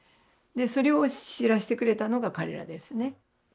それを知らしてくれたのが彼らですね。